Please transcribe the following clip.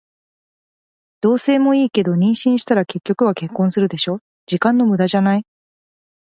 同棲もいいけど、妊娠したら結局は結婚するでしょ。時間の無駄じゃない？